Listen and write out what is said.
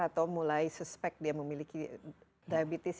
atau mulai suspek dia memiliki diabetes